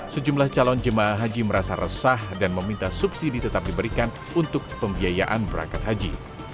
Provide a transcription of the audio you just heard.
sejumlah calon jemaah haji merasa resah dan meminta subsidi tetap diberikan untuk pembiayaan berangkat haji